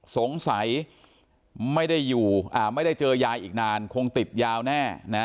สงสัยไม่ได้อยู่ไม่ได้เจอยายอีกนานคงติดยาวแน่นะ